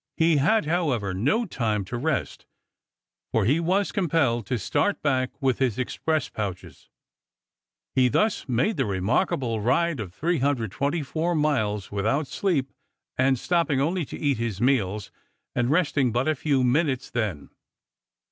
He had however no time to rest, for he was compelled to start back with his express pouches. He thus made the remarkable ride of 324 miles without sleep, and stopping only to eat his meals, and resting but a few minutes then.